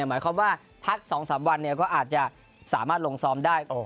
หมายความว่าพัก๒๓วันก็อาจจะสามารถลงซ้อมได้